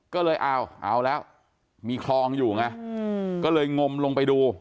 ก็เลยเอาเอาแล้วมีคลองอยู่ไงก็เลยงมลงไปดู